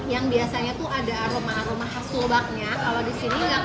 yang biasanya tuh ada aroma aroma khas lobaknya